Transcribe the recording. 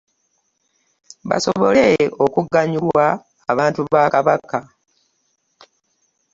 Basobole okuganyula abantu ba Kabaka.